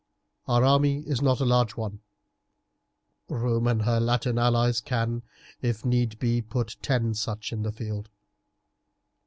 Our army is not a large one. Rome and her Latin allies can, if need be, put ten such in the field.